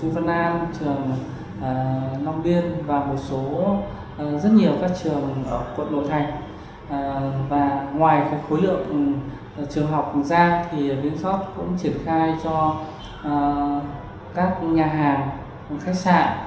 vn invoice cũng triển khai cho các nhà hàng khách sạn